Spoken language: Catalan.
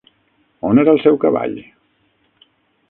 On era el seu cavall?